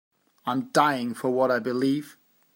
I'm dying for what I believe.